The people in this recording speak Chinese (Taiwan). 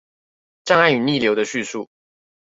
障礙與逆流的敘述